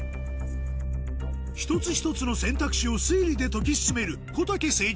一つ一つの選択肢を推理で解き進めるこたけ正義感